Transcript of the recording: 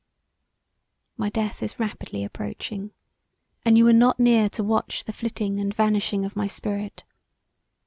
My death is rapidly approaching and you are not near to watch the flitting and vanishing of my spirit.